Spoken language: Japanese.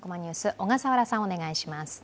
小笠原さん、お願いします。